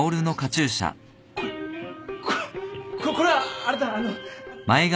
これこれはこっこれはあれだあの。